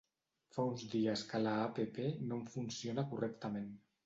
Fa uns dies que la app no em funciona correctament.